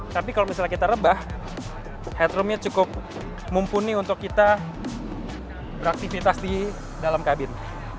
tapi kalau misalnya kita rebah headroomnya cukup mumpuni untuk kita beraktivitas di dalam kabin